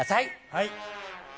はい。